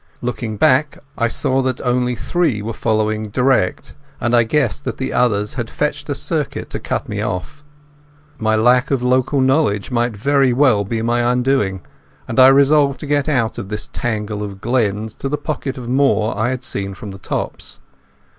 Looking back I saw that only three were following direct, and I guessed that the others had fetched a circuit to cut me off. My lack of local knowledge might very well be my undoing, and I resolved to get out of this tangle of glens to the pocket of moor I had seen from the tops.